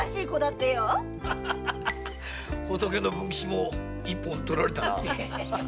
“仏の文吉”も一本取られたな。